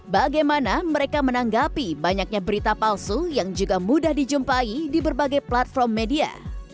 bagaimana mereka menanggapi banyaknya berita palsu yang juga mudah dijumpai di berbagai platform media